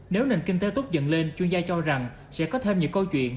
nếu nền kinh tế tốt dần lên chuyên gia cho rằng sẽ có thêm nhiều câu chuyện